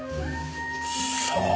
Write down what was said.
さあ？